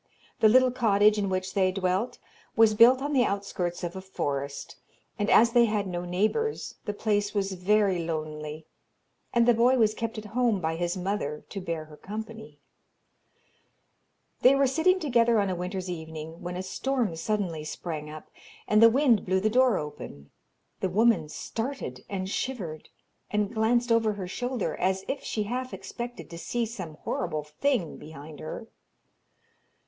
The little cottage in which they dwelt was built on the outskirts of a forest, and as they had no neighbours, the place was very lonely, and the boy was kept at home by his mother to bear her company. They were sitting together on a winter's evening, when a storm suddenly sprang up, and the wind blew the door open. The woman started and shivered, and glanced over her shoulder as if she half expected to see some horrible thing behind her.